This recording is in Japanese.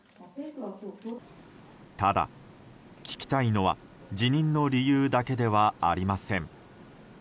ただ、聞きたいのは辞任の理由だけではありません。